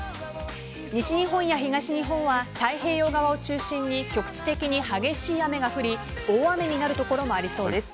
西日本や東日本は太平洋側を中心に局地的に激しい雨が降り大雨になる所もありそうです。